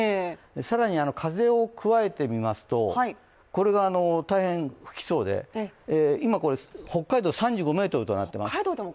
更に風を加えてみますとこれが、大変吹きそうで今、北海道３５メートルとなっています。